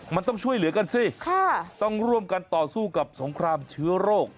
มันต้องช่วยเหลือกันสิต้องร่วมกันต่อสู้กับสงครามเชื้อโรค